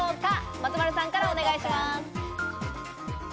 松丸さんからお願いします。